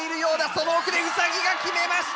その奥でウサギが決めました！